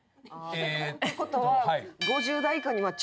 ってことは。